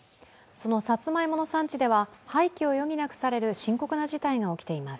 そのサツマイモの産地では廃棄を余儀なくされる深刻な事態が起きています。